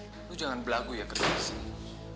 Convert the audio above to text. hei kamu jangan berlagu ya kerja di sini